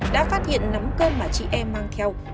đã phát hiện nắm cơm mà chị e mang theo